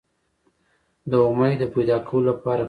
• د امید د پیدا کولو لپاره کښېنه.